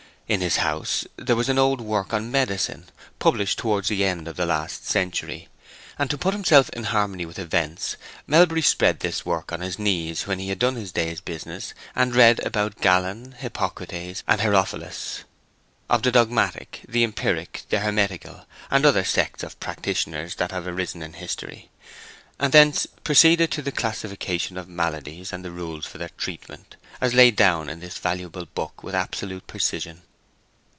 In his house there was an old work on medicine, published towards the end of the last century, and to put himself in harmony with events Melbury spread this work on his knees when he had done his day's business, and read about Galen, Hippocrates, and Herophilus—of the dogmatic, the empiric, the hermetical, and other sects of practitioners that have arisen in history; and thence proceeded to the classification of maladies and the rules for their treatment, as laid down in this valuable book with absolute precision.